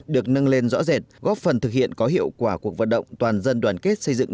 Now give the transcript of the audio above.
được nâng lên rõ rệt góp phần thực hiện có hiệu quả cuộc vận động toàn dân đoàn kết xây dựng